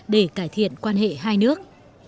để cải thiện quan hệ hai nước